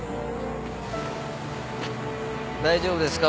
大丈夫ですか？